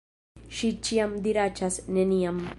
Ŝi ĉiam diraĉas, "Neniam!"